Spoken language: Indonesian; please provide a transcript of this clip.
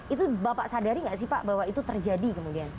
itu bapak sadari nggak sih pak bahwa itu terjadi kemudian